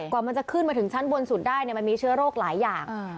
กว่ามันจะขึ้นมาถึงชั้นบนสุดได้มันมีเชื้อโรคหลายอย่าง